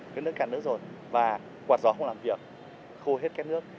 két nước cạn nước rồi và quạt gió không làm việc khô hết két nước